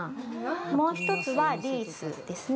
もう一つはリースですね。